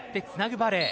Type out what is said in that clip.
バレー